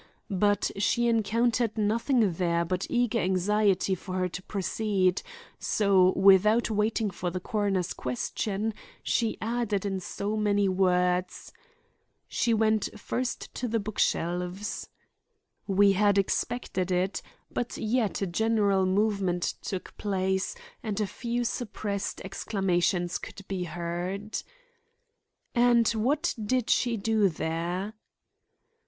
But she encountered nothing there but eager anxiety for her to proceed, so without waiting for the coroner's question, she added in so many words: "She went first to the book shelves" We had expected it; but yet a general movement took place, and a few suppressed exclamations could be heard. "And what did she do there?"